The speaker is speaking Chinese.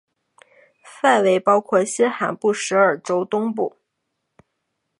范围包括新罕布什尔州东部。